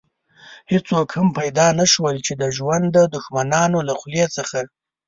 هېڅوک هم پيدا نه شول چې د ژوند د دښمنانو له خولې څخه.